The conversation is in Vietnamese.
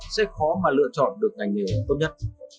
sẽ khó mà lựa chọn được ngành nghề tốt nhất